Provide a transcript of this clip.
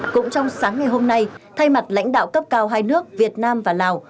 cũng trong sáng ngày hôm nay thay mặt lãnh đạo cấp cao hai nước việt nam và lào